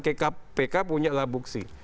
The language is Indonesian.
kkpk punya labuksi